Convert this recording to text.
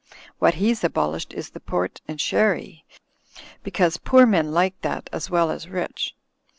What he's abolished is the port and sherry, because poor men like that as well as rich.